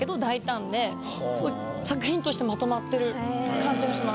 すごい作品としてまとまってる感じがします。